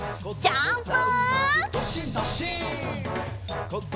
ジャンプ！